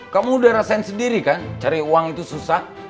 kamu udah rasain sendiri kan cari uang itu susah